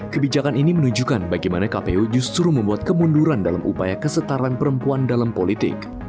kebijakan ini menunjukkan bagaimana kpu justru membuat kemunduran dalam upaya kesetaraan perempuan dalam politik